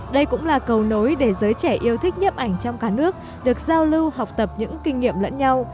đây cũng là cầu nối để giới trẻ yêu thích nhấp ảnh trong cả nước được giao lưu học tập những kinh nghiệm lẫn nhau